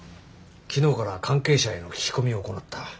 昨日から関係者への聞き込みを行った。